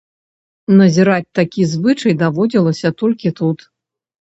Назіраць такі звычай даводзілася толькі тут.